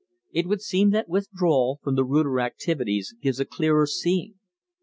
It would seem that withdrawal from the ruder activities gives a clearer seeing.